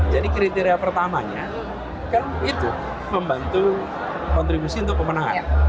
jadi kriteria pertamanya itu membantu kontribusi untuk pemenangan